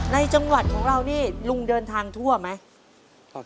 ในจังหวัดของเรานี่ลุงเดินทางทั่วไหม